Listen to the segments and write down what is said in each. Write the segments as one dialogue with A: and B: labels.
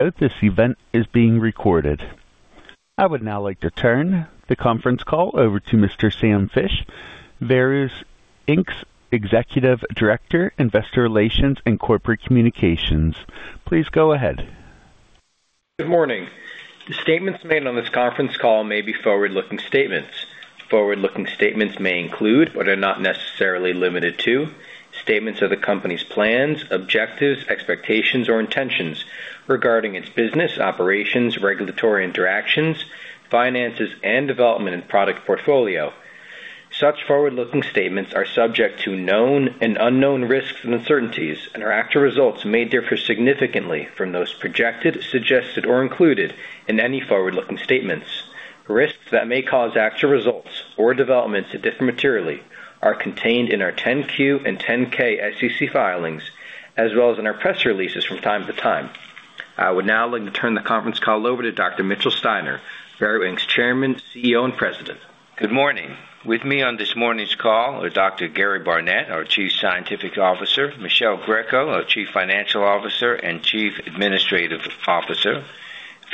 A: This event is being recorded. I would now like to turn the conference call over to Mr. Sam Fisch, Veru Inc's Executive Director, Investor Relations and Corporate Communications. Please go ahead.
B: Good morning. The statements made on this conference call may be forward-looking statements. Forward-looking statements may include, but are not necessarily limited to, statements of the company's plans, objectives, expectations, or intentions regarding its business, operations, regulatory interactions, finances, and development and product portfolio. Such forward-looking statements are subject to known and unknown risks and uncertainties, and our actual results may differ significantly from those projected, suggested, or included in any forward-looking statements. Risks that may cause actual results or developments that differ materially are contained in our 10Q and 10K SEC filings, as well as in our press releases from time to time. I would now like to turn the conference call over to Dr. Mitchell Steiner, Veru Inc's Chairman, CEO, and President.
C: Good morning. With me on this morning's call are Dr. Gary Barnette, our Chief Scientific Officer, Michele Greco, our Chief Financial Officer and Chief Administrative Officer,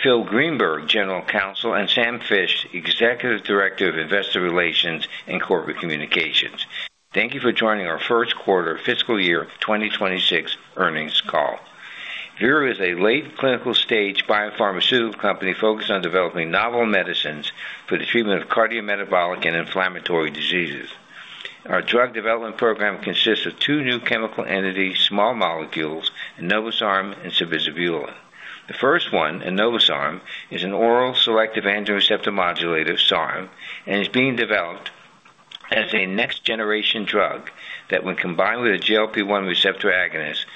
C: Phil Greenberg, General Counsel, and Sam Fisch, Executive Director of Investor Relations and Corporate Communications. Thank you for joining our First Quarter Fiscal Year 2026 Earnings Call. Veru is a late clinical stage biopharmaceutical company focused on developing novel medicines for the treatment of cardiometabolic and inflammatory diseases. Our drug development program consists of two new chemical entities, small molecules, enobosarm and sabizabulin. The first one, enobosarm, is an oral selective androgen receptor modulator, SARM, and is being developed as a next-generation drug that, when combined with a GLP-1 receptor agonist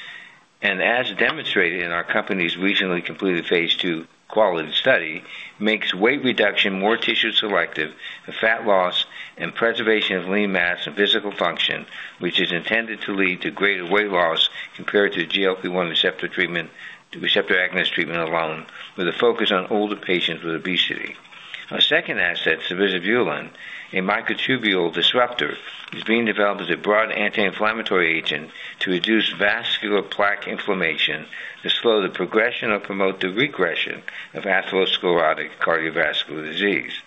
C: and, as demonstrated in our company's recently completed phase II QUALITY study, makes weight reduction more tissue selective, fat loss, and preservation of lean mass and physical function, which is intended to lead to greater weight loss compared to GLP-1 receptor agonist treatment alone, with a focus on older patients with obesity. Our second asset, sabizabulin, a microtubule disruptor, is being developed as a broad anti-inflammatory agent to reduce vascular plaque inflammation, to slow the progression, or promote the regression of atherosclerotic cardiovascular disease.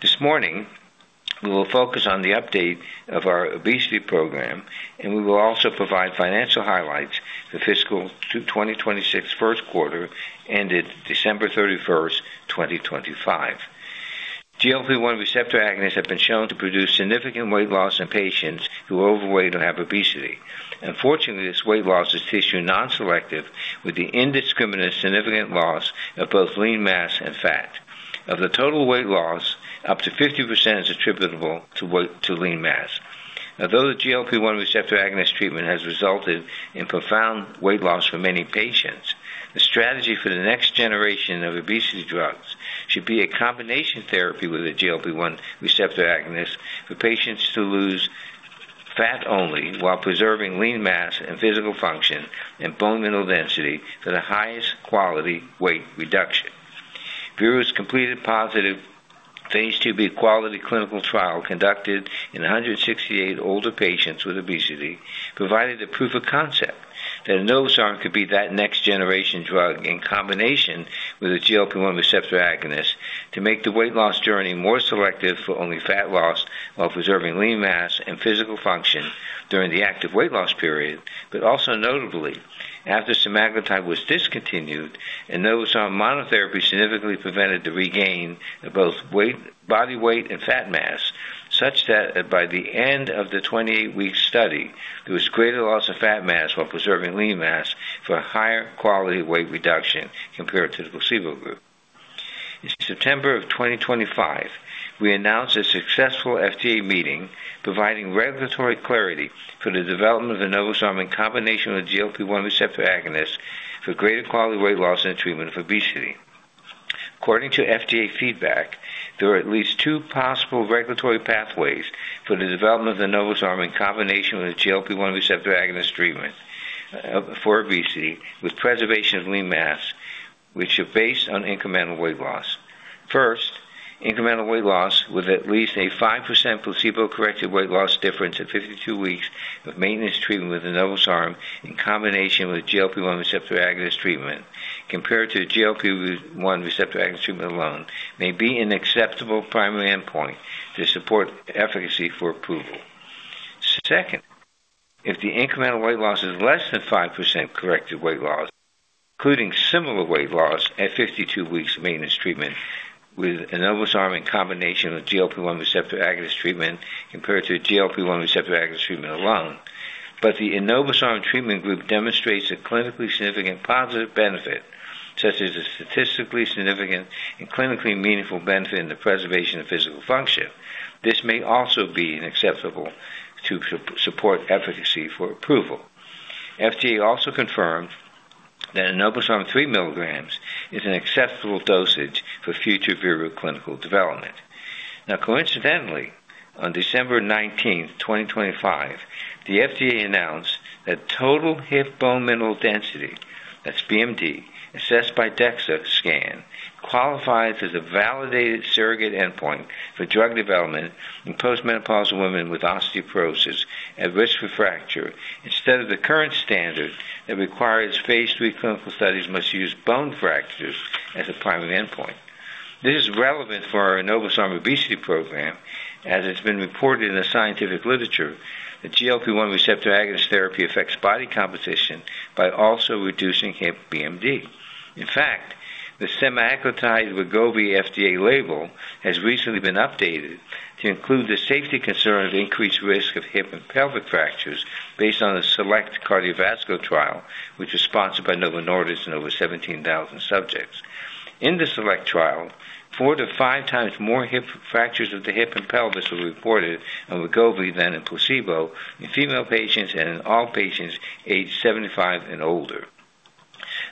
C: This morning, we will focus on the update of our obesity program, and we will also provide financial highlights for fiscal 2026 first quarter ended December 31st, 2025. GLP-1 receptor agonists have been shown to produce significant weight loss in patients who are overweight or have obesity. Unfortunately, this weight loss is tissue non-selective, with the indiscriminate significant loss of both lean mass and fat. Of the total weight loss, up to 50% is attributable to lean mass. Although the GLP-1 receptor agonist treatment has resulted in profound weight loss for many patients, the strategy for the next generation of obesity drugs should be a combination therapy with a GLP-1 receptor agonist for patients to lose fat only while preserving lean mass and physical function and bone mineral density for the highest quality weight reduction. Veru’s completed positive phase II-B QUALITY clinical trial conducted in 168 older patients with obesity provided a proof of concept that enobosarm could be that next generation drug in combination with a GLP-1 receptor agonist to make the weight loss journey more selective for only fat loss while preserving lean mass and physical function during the active weight loss period, but also notably, after semaglutide was discontinued and enobosarm monotherapy significantly prevented the regain of both body weight and fat mass, such that by the end of the 28-week study, there was greater loss of fat mass while preserving lean mass for higher quality weight reduction compared to the placebo group. In September of 2025, we announced a successful FDA meeting providing regulatory clarity for the development of enobosarm in combination with a GLP-1 receptor agonist for greater quality weight loss and treatment of obesity. According to FDA feedback, there are at least two possible regulatory pathways for the development of enobosarm in combination with a GLP-1 receptor agonist treatment for obesity with preservation of lean mass, which are based on incremental weight loss. First, incremental weight loss with at least a 5% placebo-corrected weight loss difference at 52 weeks of maintenance treatment with enobosarm in combination with GLP-1 receptor agonist treatment compared to GLP-1 receptor agonist treatment alone may be an acceptable primary endpoint to support efficacy for approval. Second, if the incremental weight loss is less than 5% corrected weight loss, including similar weight loss at 52 weeks of maintenance treatment with enobosarm in combination with GLP-1 receptor agonist treatment compared to GLP-1 receptor agonist treatment alone, but the enobosarm treatment group demonstrates a clinically significant positive benefit, such as a statistically significant and clinically meaningful benefit in the preservation of physical function, this may also be acceptable to support efficacy for approval. FDA also confirmed that enobosarm 3 mg is an acceptable dosage for future Veru clinical development. Now, coincidentally, on December 19th, 2025, the FDA announced that total hip bone mineral density, that's BMD, assessed by DEXA scan qualifies as a validated surrogate endpoint for drug development in postmenopausal women with osteoporosis at risk for fracture instead of the current standard that requires phase III clinical studies must use bone fractures as a primary endpoint. This is relevant for our enobosarm obesity program, as it's been reported in the scientific literature that GLP-1 receptor agonist therapy affects body composition by also reducing BMD. In fact, the semaglutide Wegovy FDA label has recently been updated to include the safety concern of increased risk of hip and pelvic fractures based on the SELECT cardiovascular trial, which was sponsored by Novo Nordisk in over 17,000 subjects. In the SELECT trial, four to 5x more hip fractures of the hip and pelvis were reported on Wegovy than on placebo in female patients and in all patients aged 75 and older.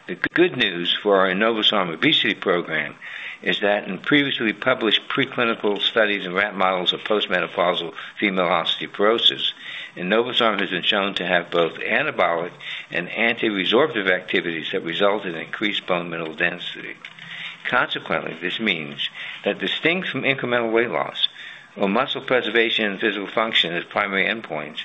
C: The good news for our enobosarm obesity program is that in previously published preclinical studies and rat models of postmenopausal female osteoporosis, enobosarm has been shown to have both anabolic and anti-resorptive activities that result in increased bone mineral density. Consequently, this means that distinct from incremental weight loss or muscle preservation and physical function as primary endpoints,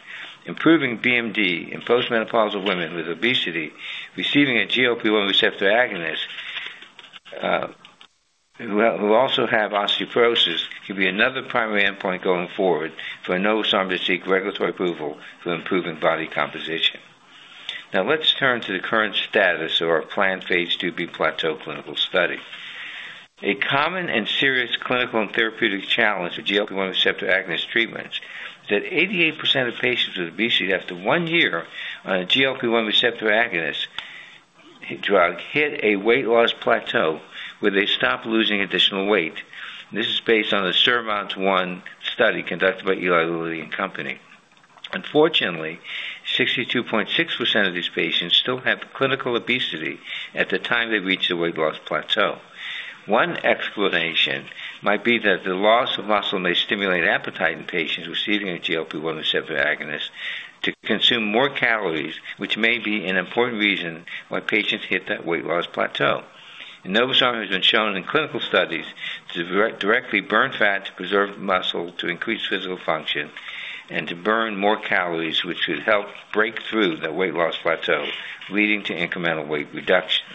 C: improving BMD in postmenopausal women with obesity receiving a GLP-1 receptor agonist who also have osteoporosis could be another primary endpoint going forward for enobosarm to seek regulatory approval for improving body composition. Now, let's turn to the current status of our planned phase II-B PLATEAU clinical study. A common and serious clinical and therapeutic challenge with GLP-1 receptor agonist treatments is that 88% of patients with obesity, after one year on a GLP-1 receptor agonist drug, hit a weight loss plateau where they stopped losing additional weight. This is based on the SURMOUNT-1 study conducted by Eli Lilly and Company. Unfortunately, 62.6% of these patients still have clinical obesity at the time they reach the weight loss plateau. One explanation might be that the loss of muscle may stimulate appetite in patients receiving a GLP-1 receptor agonist to consume more calories, which may be an important reason why patients hit that weight loss plateau. Enobosarm has been shown in clinical studies to directly burn fat to preserve muscle to increase physical function and to burn more calories, which could help break through the weight loss plateau, leading to incremental weight reduction.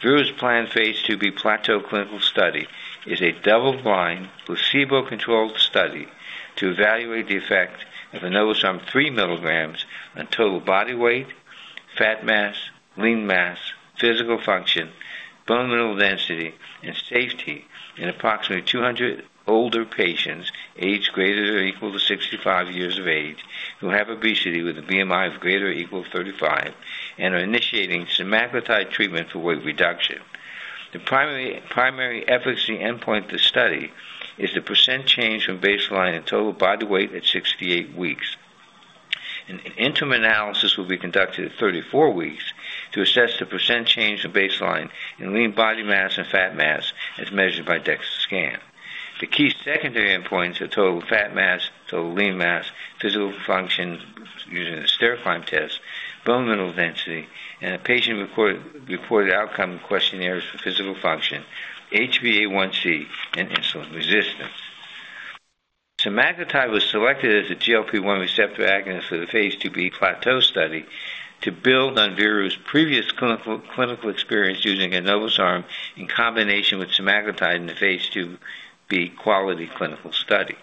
C: Veru's planned phase II-B PLATEAU clinical study is a double-blind, placebo-controlled study to evaluate the effect of enobosarm 3 mg on total body weight, fat mass, lean mass, physical function, bone mineral density, and safety in approximately 200 older patients aged greater than or equal to 65 years of age who have obesity with a BMI of greater or equal to 35 and are initiating semaglutide treatment for weight reduction. The primary efficacy endpoint of the study is the percent change from baseline in total body weight at 68 weeks. An interim analysis will be conducted at 34 weeks to assess the percent change from baseline in lean body mass and fat mass as measured by DEXA scan. The key secondary endpoints are total fat mass, total lean mass, physical function using the stair climb test, bone mineral density, and the patient-reported outcome questionnaires for physical function, HbA1c, and insulin resistance. Semaglutide was selected as a GLP-1 receptor agonist for the phase II-B PLATEAU study to build on Veru’s previous clinical experience using enobosarm in combination with semaglutide in the phase II-B QUALITY clinical study.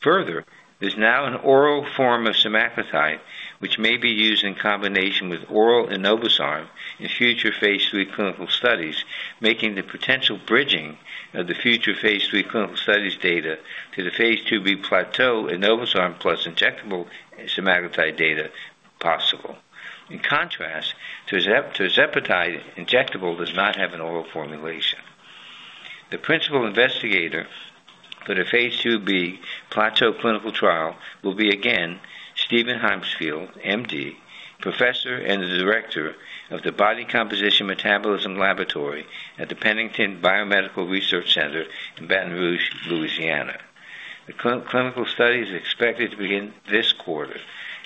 C: Further, there's now an oral form of semaglutide, which may be used in combination with oral enobosarm in future phase III clinical studies, making the potential bridging of the future phase III clinical studies data to the phase II-B PLATEAU enobosarm plus injectable semaglutide data possible. In contrast, tirzepatide injectable does not have an oral formulation. The principal investigator for the phase II-B PLATEAU clinical trial will be, again, Steven Heymsfield, MD, professor and the director of the Body Composition Metabolism Laboratory at the Pennington Biomedical Research Center in Baton Rouge, Louisiana. The clinical study is expected to begin this quarter.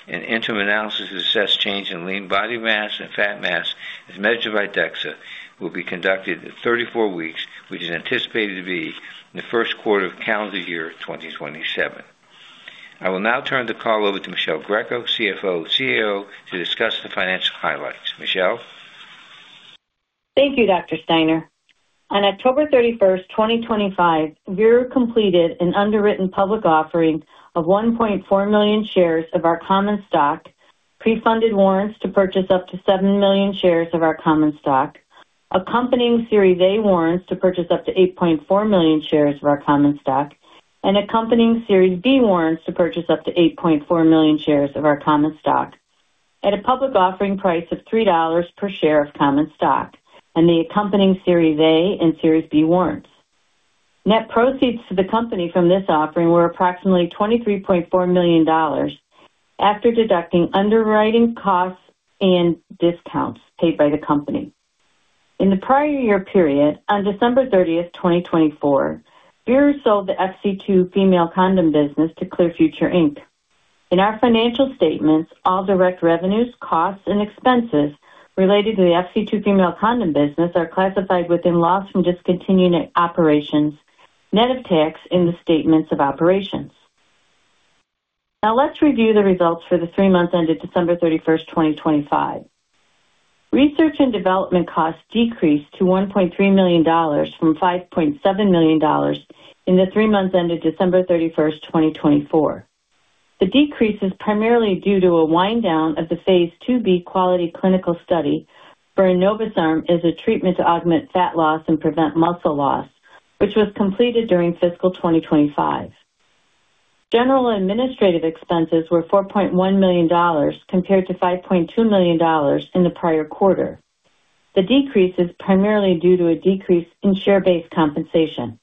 C: An interim analysis to assess change in lean body mass and fat mass as measured by DEXA will be conducted at 34 weeks, which is anticipated to be in the first quarter of calendar year 2027. I will now turn the call over to Michele Greco, CFO/CAO, to discuss the financial highlights. Michele?
D: Thank you, Dr. Steiner. On October 31st, 2025, Veru completed an underwritten public offering of 1.4 million shares of our common stock, pre-funded warrants to purchase up to 7 million shares of our common stock, accompanying Series A warrants to purchase up to 8.4 million shares of our common stock, and accompanying Series B warrants to purchase up to 8.4 million shares of our common stock at a public offering price of $3 per share of common stock and the accompanying Series A and Series B warrants. Net proceeds to the company from this offering were approximately $23.4 million after deducting underwriting costs and discounts paid by the company. In the prior-year period, on December 30th, 2024, Veru sold the FC2 Female Condom business to Clear Future, Inc. In our financial statements, all direct revenues, costs, and expenses related to the FC2 Female Condom business are classified within loss from discontinued operations, net of tax in the statements of operations. Now, let's review the results for the three months ended December 31st, 2025. Research and development costs decreased to $1.3 million from $5.7 million in the three months ended December 31st, 2024. The decrease is primarily due to a wind-down of the phase II-B QUALITY clinical study for enobosarm as a treatment to augment fat loss and prevent muscle loss, which was completed during fiscal 2025. General administrative expenses were $4.1 million compared to $5.2 million in the prior quarter. The decrease is primarily due to a decrease in share-based compensation.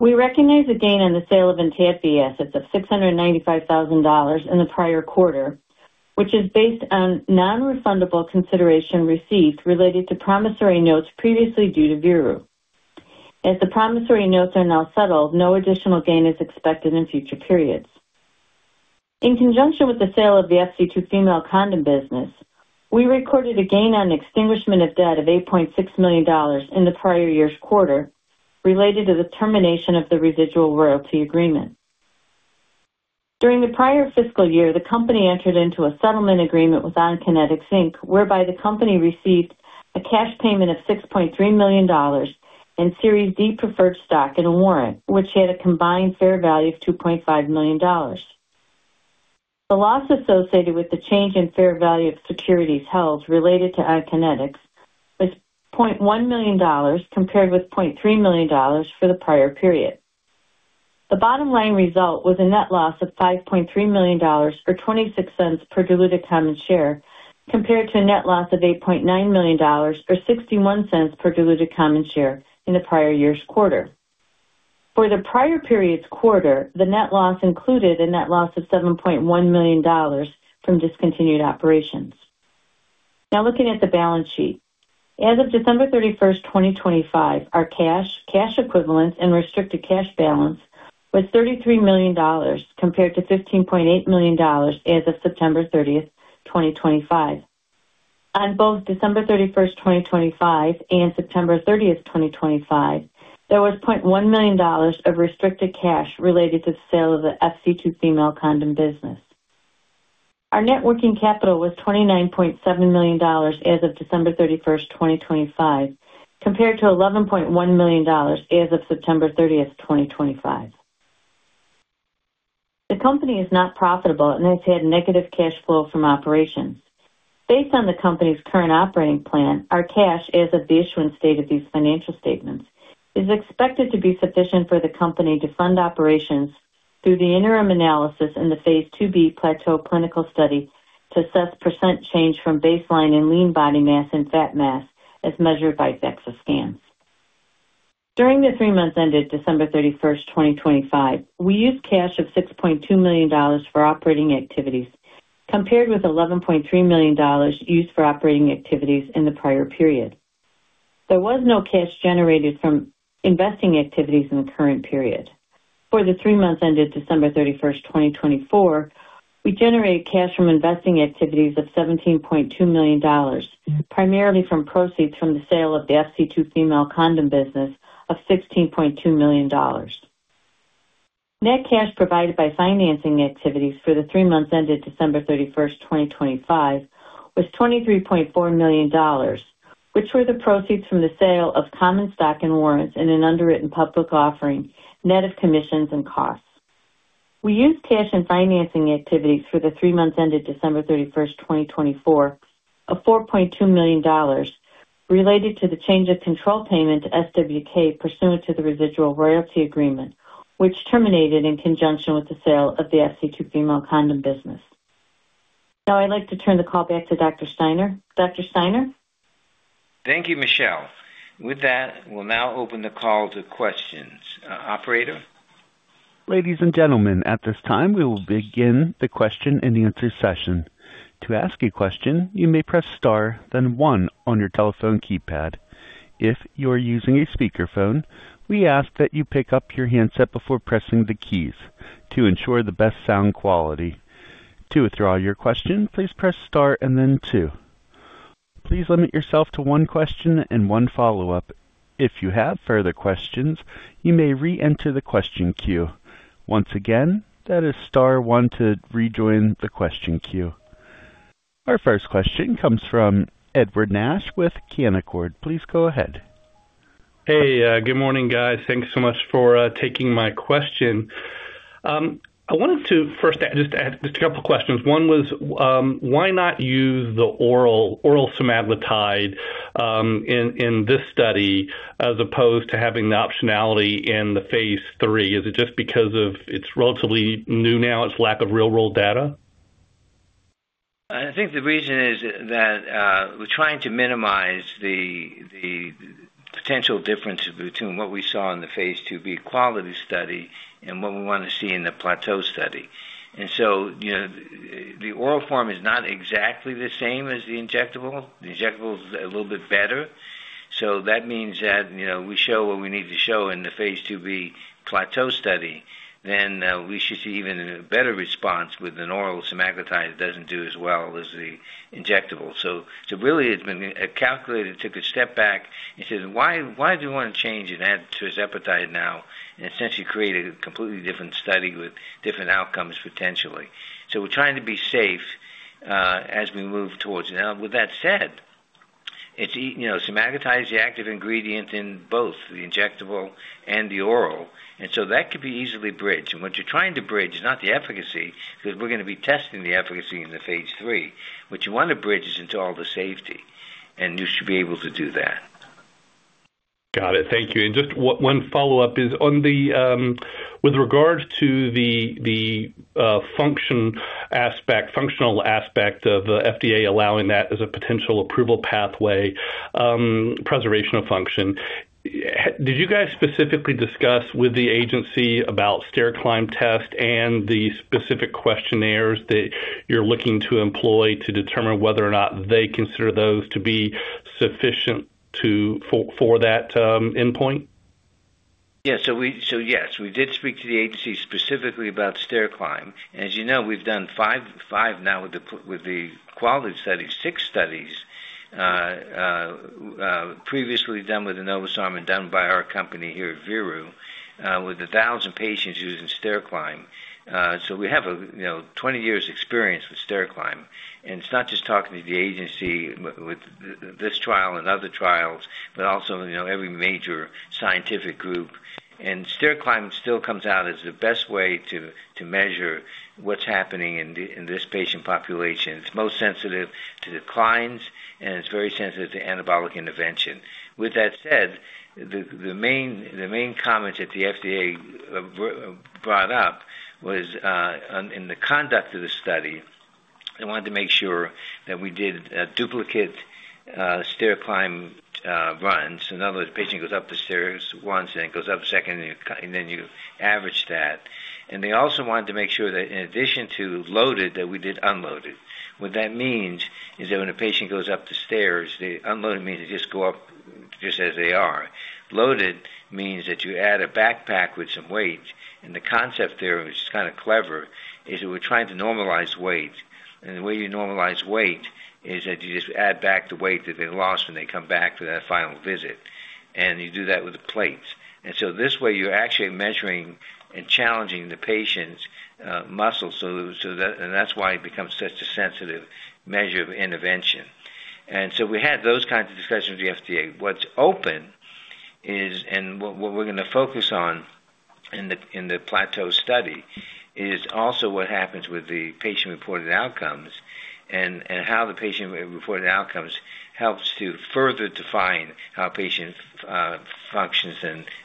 D: We recognize a gain on the sale of Entadfi assets of $695,000 in the prior quarter, which is based on non-refundable consideration received related to promissory notes previously due to Veru. As the promissory notes are now settled, no additional gain is expected in future periods. In conjunction with the sale of the FC2 Female Condom business, we recorded a gain on extinguishment of debt of $8.6 million in the prior year's quarter related to the termination of the residual royalty agreement. During the prior fiscal year, the company entered into a settlement agreement with Onconetix, Inc, whereby the company received a cash payment of $6.3 million in Series D preferred stock in a warrant, which had a combined fair value of $2.5 million. The loss associated with the change in fair value of securities held related to Onconetix was $0.1 million compared with $0.3 million for the prior period. The bottom-line result was a net loss of $5.3 million or $0.26 per diluted common share compared to a net loss of $8.9 million or $0.61 per diluted common share in the prior year's quarter. For the prior period's quarter, the net loss included a net loss of $7.1 million from discontinued operations. Now, looking at the balance sheet, as of December 31st, 2025, our cash, cash equivalents, and restricted cash balance was $33 million compared to $15.8 million as of September 30th, 2025. On both December 31st, 2025, and September 30th, 2025, there was $0.1 million of restricted cash related to the sale of the FC2 Female Condom business. Our net working capital was $29.7 million as of December 31st, 2025, compared to $11.1 million as of September 30th, 2025. The company is not profitable and has had negative cash flow from operations. Based on the company's current operating plan, our cash as of the issuance date of these financial statements is expected to be sufficient for the company to fund operations through the interim analysis in the phase II-B PLATEAU clinical study to assess percent change from baseline in lean body mass and fat mass as measured by DEXA scans. During the three months ended December 31st, 2025, we used cash of $6.2 million for operating activities compared with $11.3 million used for operating activities in the prior period. There was no cash generated from investing activities in the current period. For the three months ended December 31st, 2024, we generated cash from investing activities of $17.2 million, primarily from proceeds from the sale of the FC2 Female Condom business of $16.2 million. Net cash provided by financing activities for the three months ended December 31st, 2025, was $23.4 million, which were the proceeds from the sale of common stock and warrants in an underwritten public offering, net of commissions and costs. We used cash in financing activities for the three months ended December 31st, 2024, of $4.2 million related to the change of control payment to SWK pursuant to the residual royalty agreement, which terminated in conjunction with the sale of the FC2 Female Condom business. Now, I'd like to turn the call back to Dr. Steiner. Dr. Steiner?
C: Thank you, Michele. With that, we'll now open the call to questions. Operator?
A: Ladies and gentlemen, at this time, we will begin the question-and-answer session. To ask a question, you may press star, then one on your telephone keypad. If you're using a speakerphone, we ask that you pick up your handset before pressing the keys to ensure the best sound quality. To withdraw your question, please press star and then two. Please limit yourself to one question and one follow-up. If you have further questions, you may re-enter the question queue. Once again, that is star one to rejoin the question queue. Our first question comes from Edward Nash with Canaccord. Please go ahead.
E: Hey. Good morning, guys. Thanks so much for taking my question. I wanted to first just add just a couple of questions. One was, why not use the oral semaglutide in this study as opposed to having the optionality in the phase III? Is it just because of it's relatively new now, its lack of real-world data?
C: I think the reason is that we're trying to minimize the potential difference between what we saw in the phase II-B QUALITY study and what we want to see in the PLATEAU study. And so the oral form is not exactly the same as the injectable. The injectable is a little bit better. So that means that we show what we need to show in the phase II-B PLATEAU study, then we should see even a better response with an oral semaglutide that doesn't do as well as the injectable. So really, it's been calculated, took a step back, and said, "Why do we want to change and add tirzepatide now and essentially create a completely different study with different outcomes, potentially?" So we're trying to be safe as we move towards it. Now, with that said, semaglutide is the active ingredient in both the injectable and the oral, and so that could be easily bridged. What you're trying to bridge is not the efficacy because we're going to be testing the efficacy in the phase III. What you want to bridge is into all the safety, and you should be able to do that.
E: Got it. Thank you. And just one follow-up is, with regard to the functional aspect of the FDA allowing that as a potential approval pathway, preservation of function, did you guys specifically discuss with the agency about stair climb test and the specific questionnaires that you're looking to employ to determine whether or not they consider those to be sufficient for that endpoint?
C: Yes. So yes, we did speak to the agency specifically about stair climb test. And as you know, we've done five now with the QUALITY studies, six studies previously done with enobosarm and done by our company here at Veru with 1,000 patients using stair climb test. So we have 20 years' experience with stair climb test. And it's not just talking to the agency with this trial and other trials, but also every major scientific group. And stair climb test still comes out as the best way to measure what's happening in this patient population. It's most sensitive to declines, and it's very sensitive to anabolic intervention. With that said, the main comment that the FDA brought up was, in the conduct of the study, they wanted to make sure that we did duplicate stair climb test runs. In other words, the patient goes up the stairs once and then goes up a second, and then you average that. They also wanted to make sure that, in addition to loaded, that we did unloaded. What that means is that when a patient goes up the stairs, unloaded means they just go up just as they are. Loaded means that you add a backpack with some weight. And the concept there, which is kind of clever, is that we're trying to normalize weight. And the way you normalize weight is that you just add back the weight that they lost when they come back for that final visit. And you do that with the plates. And so this way, you're actually measuring and challenging the patient's muscles, and that's why it becomes such a sensitive measure of intervention. And so we had those kinds of discussions with the FDA. What's open and what we're going to focus on in the PLATEAU study is also what happens with the patient-reported outcomes and how the patient-reported outcomes helps to further define how a patient functions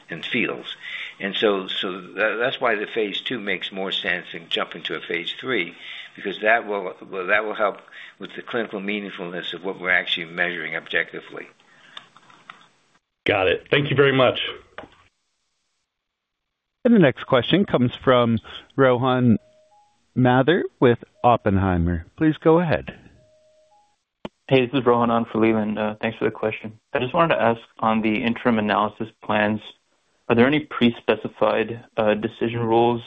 C: and feels. And so that's why the phase II makes more sense than jumping to a phase III because that will help with the clinical meaningfulness of what we're actually measuring objectively.
E: Got it. Thank you very much.
A: The next question comes from Rohan Mathur with Oppenheimer. Please go ahead.
F: Hey. This is Rohan Mathur. Thanks for the question. I just wanted to ask, on the interim analysis plans, are there any pre-specified decision rules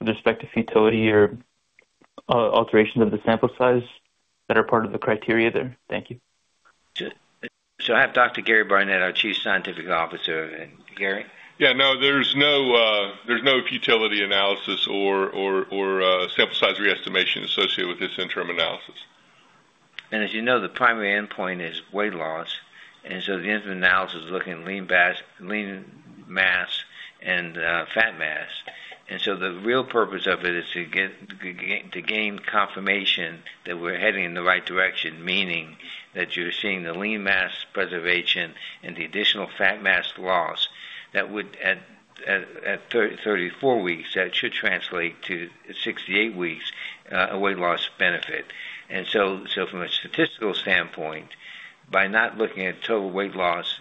F: with respect to futility or alterations of the sample size that are part of the criteria there? Thank you.
C: So I have Dr. Gary Barnette, our Chief Scientific Officer. And Gary?
G: Yeah. No, there's no futility analysis or sample size re-estimation associated with this interim analysis.
C: As you know, the primary endpoint is weight loss. The interim analysis is looking at lean mass and fat mass. The real purpose of it is to gain confirmation that we're heading in the right direction, meaning that you're seeing the lean mass preservation and the additional fat mass loss. At 34 weeks, that should translate to 68 weeks of weight loss benefit. From a statistical standpoint, by not looking at total weight loss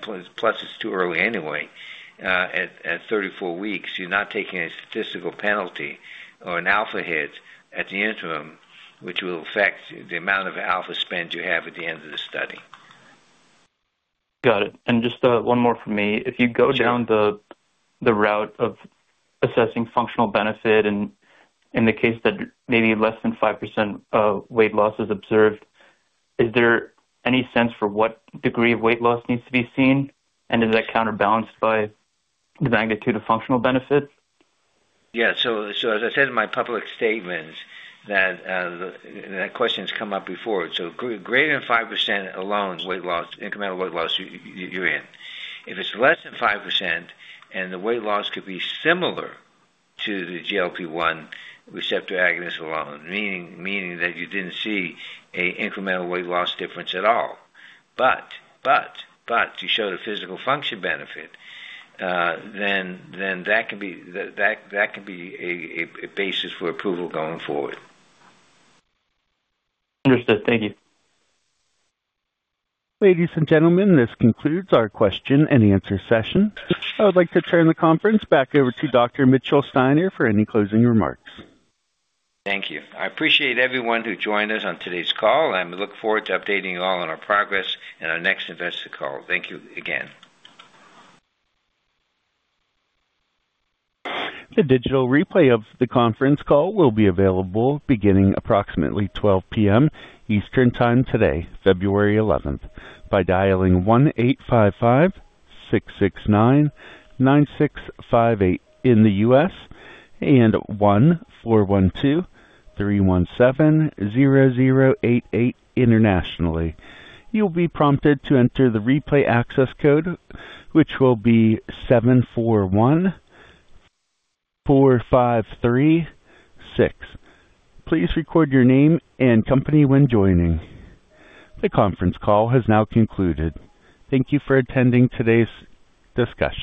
C: plus it's too early anyway, at 34 weeks, you're not taking a statistical penalty or an alpha hit at the interim, which will affect the amount of alpha spend you have at the end of the study.
F: Got it. Just one more from me. If you go down the route of assessing functional benefit, and in the case that maybe less than 5% weight loss is observed, is there any sense for what degree of weight loss needs to be seen, and does that counterbalance by the magnitude of functional benefit?
C: Yeah. So as I said in my public statements, that question's come up before. So greater than 5% alone. Weight loss, incremental weight loss, you're in. If it's less than 5% and the weight loss could be similar to the GLP-1 receptor agonist alone, meaning that you didn't see an incremental weight loss difference at all, but, but, but you showed a physical function benefit, then that can be a basis for approval going forward.
F: Understood. Thank you.
A: Ladies and gentlemen, this concludes our question-and-answer session. I would like to turn the conference back over to Dr. Mitchell Steiner for any closing remarks.
C: Thank you. I appreciate everyone who joined us on today's call, and I look forward to updating you all on our progress and our next investor call. Thank you again.
A: The digital replay of the conference call will be available beginning approximately 12:00 P.M. Eastern Time today, February 11th, by dialing 1-855-669-9658 in the US and 1-412-317-0088 internationally. You'll be prompted to enter the replay access code, which will be 7414536. Please record your name and company when joining. The conference call has now concluded. Thank you for attending today's discussion.